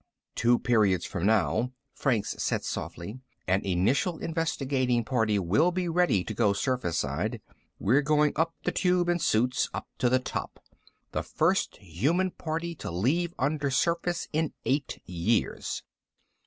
"Two periods from now," Franks said softly, "an initial investigating party will be ready to go surface side. We're going up the Tube in suits, up to the top the first human party to leave undersurface in eight years."